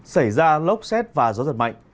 xảy ra lốc xét và gió giật mạnh